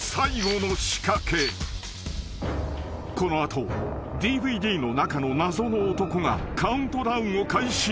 ［この後ＤＶＤの中の謎の男がカウントダウンを開始］